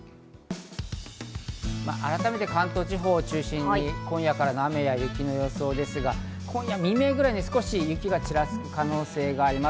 改めて関東地方を中心に、今夜からの雨や雪の予想ですが今夜未明ぐらいに少し雪がちらつく可能性があります。